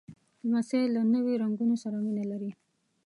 لمسی له نوي رنګونو سره مینه لري.